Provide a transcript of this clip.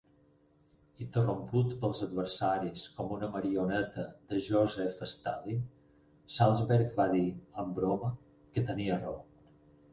Interromput pels adversaris com una marioneta de Joseph Stalin, Salsberg va dir, en broma, que tenia raó.